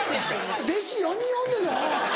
弟子４人おんねんぞ！